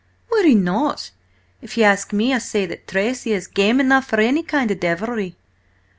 "Would he not? If ye ask me, I say that Tracy is game enough for any kind of devilry."